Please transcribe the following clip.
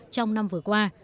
trong năm vừa qua